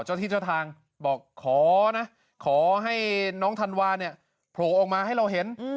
เจ้าที่เจ้าทางบอกขอนะขอให้น้องธันวาเนี่ยโผล่ออกมาให้เราเห็น